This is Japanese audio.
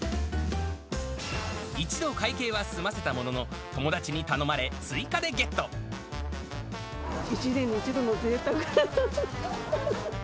一度会計は済ませたものの、１年に１度のぜいたく。